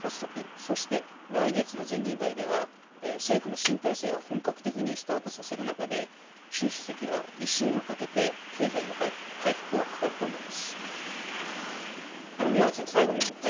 そして、来月の全人代では政府の新体制を本格的にスタートさせる中で習主席は威信をかけて経済の回復を図ると思います。